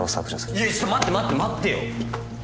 いやちょっと待って待って待ってよ！